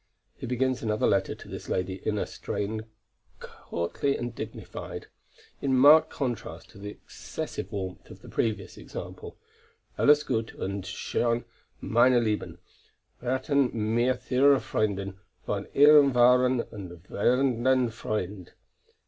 He begins another letter to this lady in a strain courtly and dignified, in marked contrast to the excessive warmth of the previous example: "Alles Gute und Schöne meiner lieben, verehrten, mir theure Freundin, von ihrem wahren und verehrenden Freund."